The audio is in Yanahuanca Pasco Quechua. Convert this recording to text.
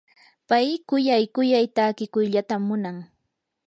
pay quyay quyay takikuyllatam munan.